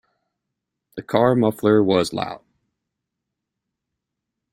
The car muffler was loud.